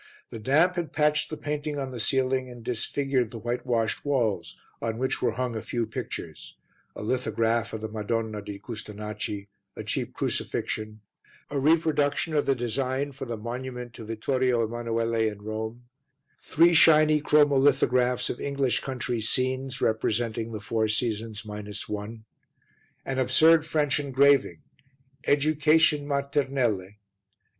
The damp had patched the painting on the ceiling and disfigured the whitewashed walls, on which were hung a few pictures a lithograph of the Madonna di Custonaci, a cheap Crucifixion, a reproduction of the design for the monument to Vittorio Emmanuele in Rome, three shiny chromolithographs of English country scenes, representing the four seasons minus one, an absurd French engraving, Education Maternelle and S.